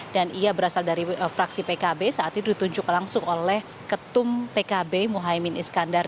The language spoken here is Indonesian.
dan ia berasal dari fraksi pkb saat itu ditunjuk langsung oleh ketum pkb mohamed iskandar